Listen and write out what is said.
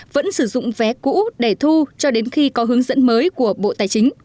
vẫn sử dụng vé cũ để thu cho đến khi có hướng dẫn mới của bộ tài chính